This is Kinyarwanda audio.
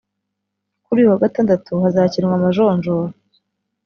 Kuri uyu wa Gatandatu hazakinwa amajonjora